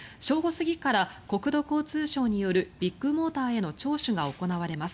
過ぎから国土交通省によるビッグモーターへの聴取が行われます。